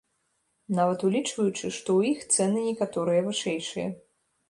Нават улічваючы, што ў іх цэны некаторыя вышэйшыя.